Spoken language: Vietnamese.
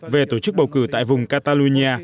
về tổ chức bầu cử tại vùng catalonia